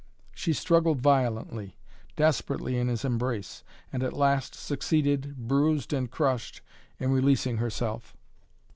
She struggled violently, desperately in his embrace, and at last succeeded, bruised and crushed, in releasing herself.